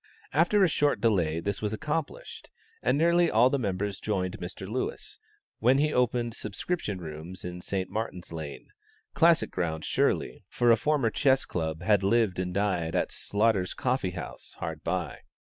After a short delay this was accomplished, and nearly all the members joined Mr. Lewis, when he opened subscription rooms in St. Martin's Lane classic ground surely, for a former Chess Club had lived and died at Slaughter's Coffee House, hard by.